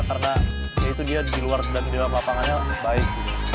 karena dia di luar dan di lapangannya baik